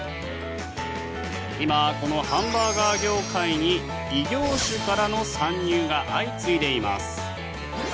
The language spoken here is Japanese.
今、このハンバーガー業界に異業種からの参入が相次いでいます。